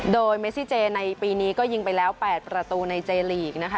โดยเมซิเจในปีนี้ก็ยิงไปแล้ว๘ประตูในเจลีกนะคะ